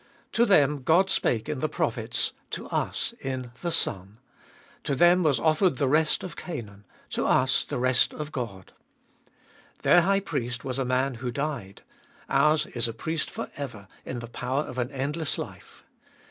To them God spake in the prophets ; to us in the Son. To them was offered the rest of Canaan ; to us the rest of God. Their high priest was a man who died ; ours is a Priest for ever, in the power of an endless life.